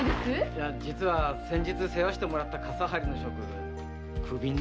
いや実は先日世話してもらった傘張りの職クビになってしまって。